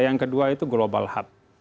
yang kedua itu global health